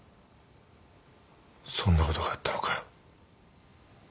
そんなことがあったのか。